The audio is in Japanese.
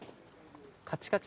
カチカチ。